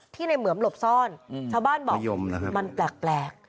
ในเหมือมหลบซ่อนชาวบ้านบอกมันแปลก